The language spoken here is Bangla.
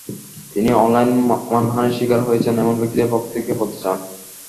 তিনি অনলাইনে মানহানির শিকার হয়েছেন এমন ব্যক্তিদের পক্ষ থেকে বলতে চান।